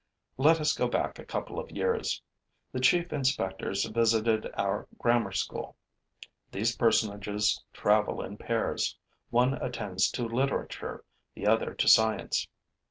Let us go back a couple of years. The chief inspectors visited our grammar school. These personages travel in pairs: one attends to literature, the other to science.